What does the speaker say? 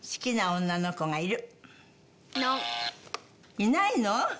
いないの？